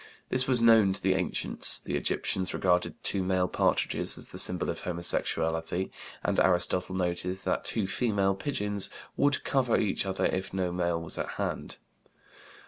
This was known to the ancients; the Egyptians regarded two male partridges as the symbol of homosexuality, and Aristotle noted that two female pigeons would cover each other if no male was at hand.